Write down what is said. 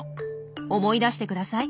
思い出してください。